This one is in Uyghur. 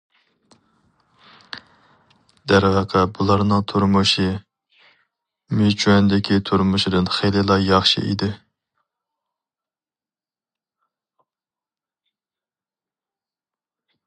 دەرۋەقە بۇلارنىڭ تۇرمۇشى مىچۈەندىكى تۇرمۇشىدىن خېلىلا ياخشى ئىدى.